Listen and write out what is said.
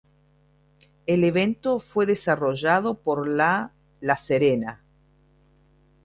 El evento fue desarrollado por la La Serena.